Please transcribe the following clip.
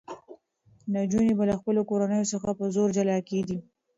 نجونې به له خپلو کورنیو څخه په زور جلا کېدې.